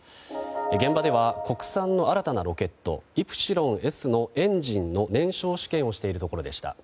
現場では国産の新たなロケットイプシロンＳのエンジンの燃焼試験をしているところでした。